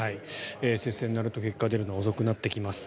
接戦になると結果が出るのは遅くなってきます。